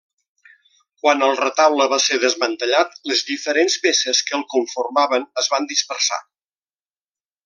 Quan el retaule va ser desmantellat, les diferents peces que el conformaven es van dispersar.